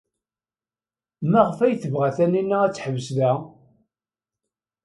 Maɣef ay tebɣa Taninna ad teḥbes da?